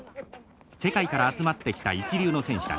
世界から集まってきた一流の選手たち。